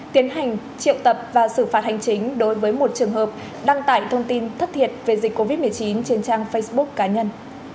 tiến hành triệu tập và xử phạt hành chính đối với một trường hợp đăng tải thông tin thất thiệt về dịch covid một mươi chín trên trang facebook cá nhân